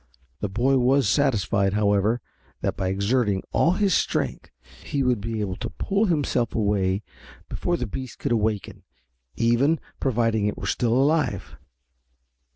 The boy was satisfied, however, that by exerting all his strength he would be able to pull himself away before the beast could awaken, even, providing it were still alive.